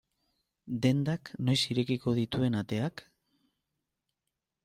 Dendak noiz irekiko dituen ateak?